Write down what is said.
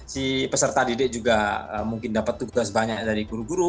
si peserta didik juga mungkin dapat tugas banyak dari guru guru